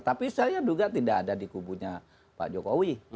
tapi saya duga tidak ada di kubunya pak jokowi